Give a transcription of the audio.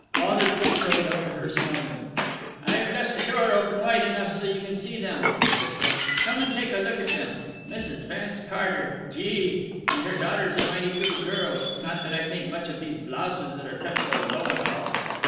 Father tiptoed up to her, smiling. "I've left the door open wide enough so you can see them," he whispered. "Come and take a look at them. Mrs. Vance Carter gee! And her daughter's a mighty pretty girl not that I think much of these blouses that are cut so low and all."